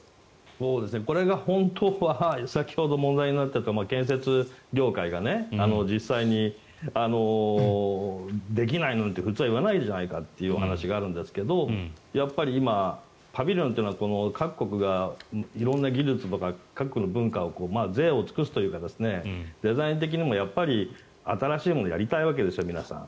これが本当なら先ほど問題になっていた建設業界が実際にできないなんて普通は言わないじゃないかというお話があるんですがやっぱりパビリオンというのは各国が色んな技術、各国の文化ぜいを尽くすというかデザイン的にもやっぱり新しいものをやりたいわけですよ皆さん。